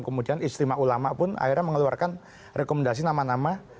kemudian istimewa ulama pun akhirnya mengeluarkan rekomendasi nama nama